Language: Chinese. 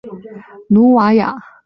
努瓦亚勒蓬提维。